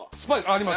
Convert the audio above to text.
あります